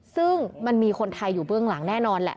ซึ่งมันมีคนไทยอยู่เบื้องหลังแน่นอนแหละ